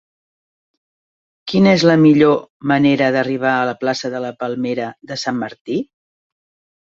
Quina és la millor manera d'arribar a la plaça de la Palmera de Sant Martí?